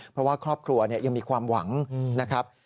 เพราะว่าครอบครัวยังมีความหวังนะครับ